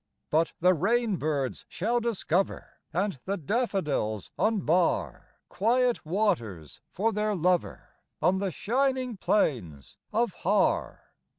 "But the rainbirds shall discover, And the daffodils unbar, Quiet waters for their lover On the shining plains of Har.